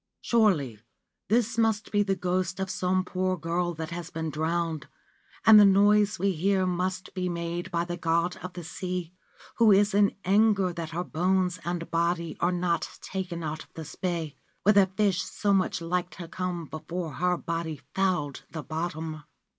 Surely this must be the ghost of some poor girl that has been drowned, and the noise we hear must be made by the God of the Sea, who is in anger that her bones and body are not taken out of this bay, where the fish so much liked to come before her body fouled the bottom.'